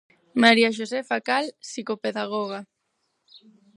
María Xosé Facal, Psicopedágoga.